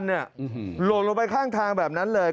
หล่นลงไปข้างทางแบบนั้นเลย